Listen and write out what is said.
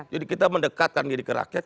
jadi kita mendekatkan diri ke rakyat